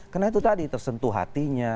karena itu tadi tersentuh hatinya